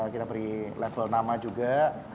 kita beri level nama juga